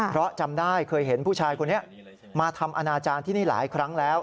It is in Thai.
เพราะจำได้เคยเห็นผู้ชายคนนี้มาทำอนาจารย์ที่นี่หลายครั้งแล้ว